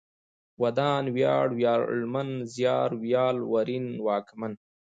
ودان ، وياړ ، وياړمن ، زيار، ويال ، ورين ، واکمن